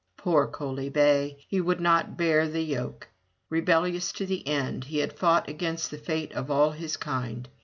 Poor Coaly bay; he would not bear the yoke. Rebellious to the end, he had fought against the fate of all his kind.